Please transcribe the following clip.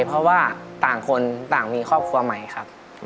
เพราะว่าต่างคนต่างมีครอบครัวใหม่ครับ